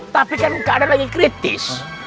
tapi kan keadaan lagi kritis